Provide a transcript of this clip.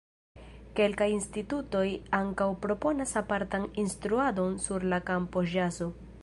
Kelkaj institutoj ankaŭ proponas apartan instruadon sur la kampo ĵazo.